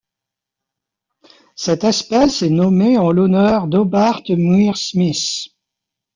Cette espèce est nommée en l'honneur d'Hobart Muir Smith.